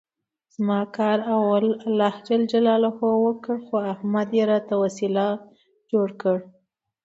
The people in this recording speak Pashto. زما کار اول خدای وکړ، خو احمد یې راته وسیله جوړ کړ.